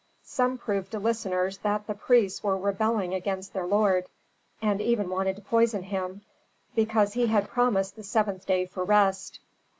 Some proved to listeners that the priests were rebelling against their lord, and even wanted to poison him, because he had promised the seventh day for rest.